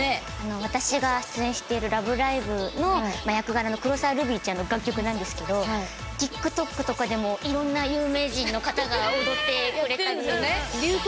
私が出演している「ラブライブ！」の役柄の黒澤ルビィちゃんの楽曲なんですけどＴｉｋＴｏｋとかでもやってるんですよね。